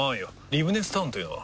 リブネスタウンというのは？